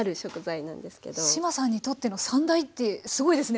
志麻さんにとっての三大ってすごいですね。